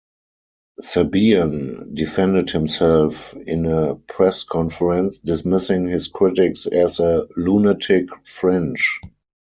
Sabean defended himself in a press conference, dismissing his critics as a "lunatic fringe".